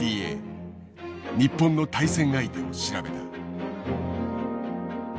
日本の対戦相手を調べた。